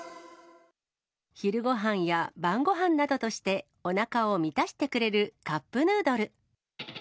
昼ごはんや晩ごはんなどとして、おなかを満たしてくれるカップヌードル。